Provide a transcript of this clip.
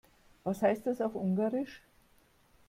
Was heißt das auf Ungarisch?